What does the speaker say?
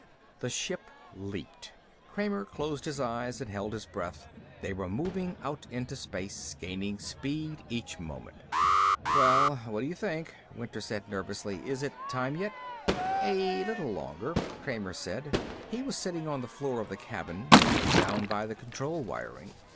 The ship leaped. Kramer closed his eyes and held his breath. They were moving out into space, gaining speed each moment. "Well, what do you think?" Winter said nervously. "Is it time yet?" "A little longer," Kramer said. He was sitting on the floor of the cabin, down by the control wiring.